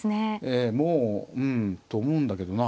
ええもううんと思うんだけどな。